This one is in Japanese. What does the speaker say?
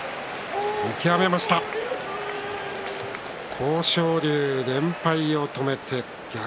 豊昇龍、連敗を止めました。